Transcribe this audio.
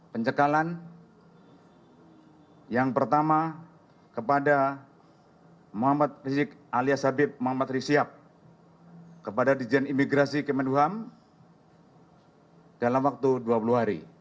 pencekalan yang pertama kepada muhammad rizik alias habib muhammad rizik siap kepada dirjan imigrasi kementerian hukum dalam waktu dua puluh hari